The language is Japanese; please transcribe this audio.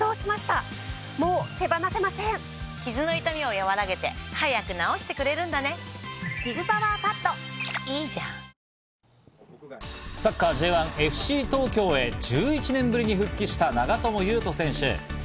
野心を持って戦うという長友サッカーＪ１・ＦＣ東京へ１１年ぶりに復帰した長友佑都選手。